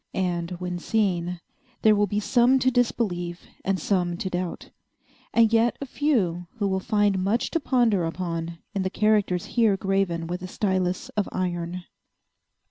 And, when seen, there will be some to disbelieve, and some to doubt, and yet a few who will find much to ponder upon in the characters here graven with a stylus of iron.